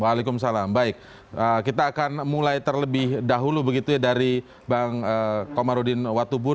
waalaikumsalam baik kita akan mulai terlebih dahulu begitu ya dari bang komarudin watubun